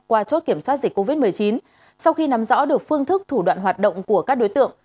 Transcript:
qua chốt kiểm soát dịch covid một mươi chín sau khi nắm rõ được phương thức thủ đoạn hoạt động của các đối tượng